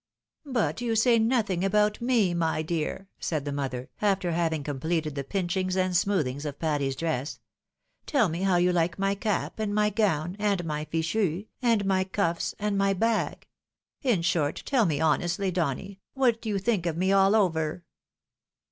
" But you say nothing about me, my dear," said the mother, after having completed the pinchings and smoothings of Patty's 104 THE WIDOW MAERIED. dress ;" tell me how you like my cap, and my gown, and my fxhu, and my cuffs, and my bag — in short, tell me, honestly, Donny, what you think of me, all over